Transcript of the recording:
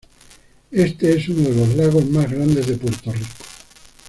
Este es uno de los lagos más grandes de Puerto Rico.